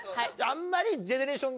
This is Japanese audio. あんまり。